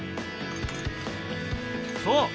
そう！